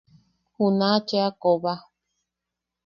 Juna-ʼa cheʼa koba.